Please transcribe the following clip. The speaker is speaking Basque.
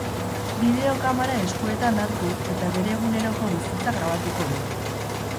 Bideo kamara eskuetan hartu eta bere eguneroko bizitza grabatuko du.